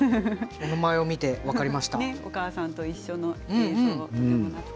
お名前を見て分かりました。